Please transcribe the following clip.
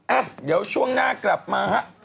อ่ะเดี๋ยวช่วงหน้ากลับมาฮะ